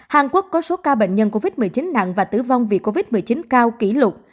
hàn quốc có số ca bệnh nhân covid một mươi chín nặng và tử vong vì covid một mươi chín cao kỷ lục